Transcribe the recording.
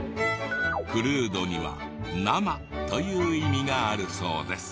クルードには「生」という意味があるそうです。